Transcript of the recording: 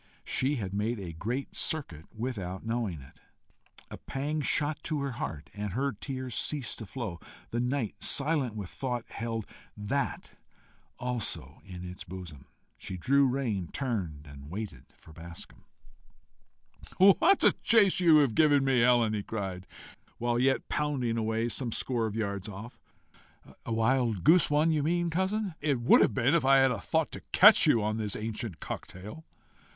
She had made a great circuit without knowing it. A pang shot to her heart, and her tears ceased to flow. The night, silent with thought, held THAT also in its bosom! She drew rein, turned, and waited for Bascombe. "What a chase you've given me, Helen!" he cried, while yet pounding away some score of yards off. "A wild goose one you mean, cousin?" "It would have been if I had thought to catch you on this ancient cocktail."